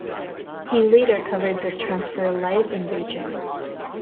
He later covered this transfer live in Beijing.